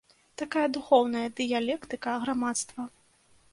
Такая духоўная дыялектыка грамадства.